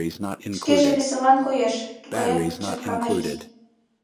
Шкеже веселан коеш, тугаяк чатка марий.